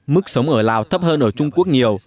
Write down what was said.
mức sống ở lào thấp hơn ở trung quốc nhiều